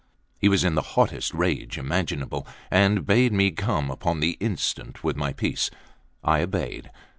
He was in the hottest rage imaginable, and bade me come upon the instant with my piece. I obeyed.